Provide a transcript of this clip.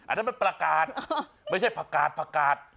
อันนั้นประกาศไม่ใช่ผักกาศผักกาศ